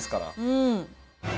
うん。